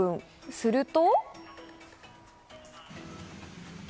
すると。